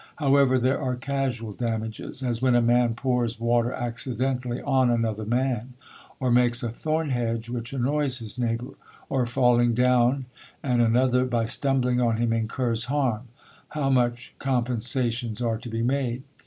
However there are casual damages, as when a man pours water accidentally on another man; or makes a thorn hedge which annoys his neighbour; or falling down, and another by stumbling on him incurs harm: how such compensations are to be made.